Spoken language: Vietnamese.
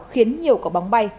khiến nhiều cỏ bóng bay